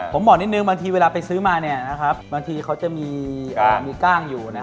ผมบอกนิดนึงบางทีเวลาไปซื้อมามีกล้างอยู่